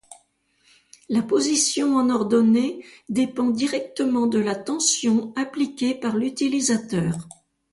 La position en ordonnée dépend directement de la tension appliquée par l’utilisateur.